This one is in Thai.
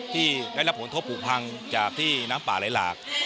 ที่ได้รับผลทบผูกพังจากที่น้ำป่าไหลหลาก